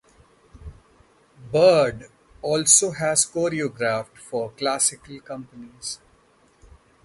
Byrd also has choreographed for classical companies.